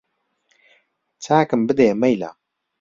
چاکم بدەیە مەیلە